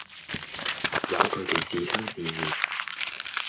由佢地自生自滅